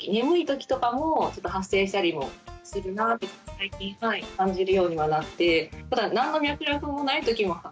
最近感じるようにはなって。